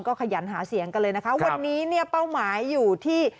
ก็ขยันหาเสียงกันเลยนะคะวันนี้เนี่ยเป้าหมายอยู่ที่